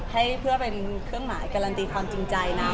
ให้เพื่อเป็นเครื่องหมายการันตีความจริงใจนะ